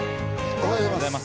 おはようございます。